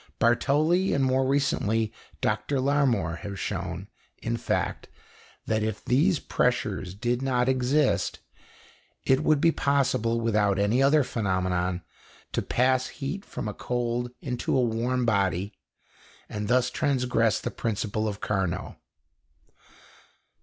Bartoli, and more recently Dr Larmor, have shown, in fact, that if these pressures did not exist, it would be possible, without any other phenomenon, to pass heat from a cold into a warm body, and thus transgress the principle of Carnot.